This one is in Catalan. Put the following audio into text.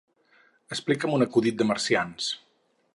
Explica'm un acudit de marcians.